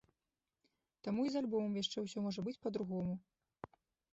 Таму і з альбомам яшчэ усё можа быць па-другому.